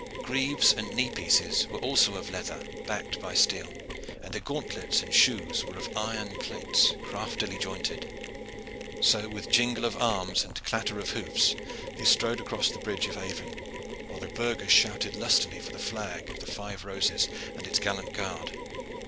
Greaves and knee pieces were also of leather backed by steel, and their gauntlets and shoes were of iron plates, craftily jointed. So, with jingle of arms and clatter of hoofs, they rode across the Bridge of Avon, while the burghers shouted lustily for the flag of the five roses and its gallant guard.